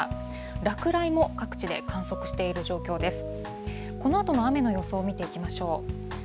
落雷も各地で観測している状況です。